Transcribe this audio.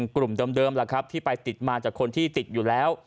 กลุ่มเดิมล่ะครับที่ไปติดมาจากคนที่ติดอยู่แล้ว